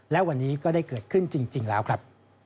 และวันนี้ก็ได้เกิดขึ้นจริงแล้วครับ